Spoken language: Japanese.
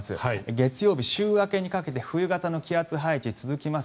月曜日、週明けにかけて冬型の気圧配置が続きます。